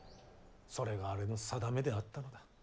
それがあれの宿命であったのだ。